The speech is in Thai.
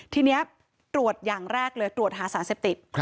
ทีนี้ตรวจอย่างแรกเลยตรวจหาสารเสพติด